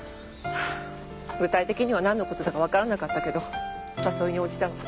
具体的にはなんの事だかわからなかったけど誘いに応じたわ。